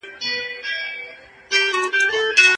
الله پاک زموږ د زړونو په حال پوهېږي.